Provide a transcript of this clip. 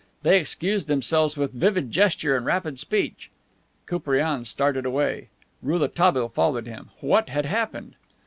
They excused themselves with vivid gesture and rapid speech. Koupriane started away. Rouletabille followed him. What had happened?